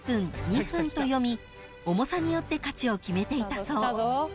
「にふん」と読み重さによって価値を決めていたそう］